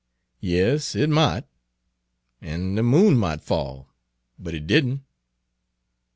"Yes, it mought, an' the moon mought fall but it don't."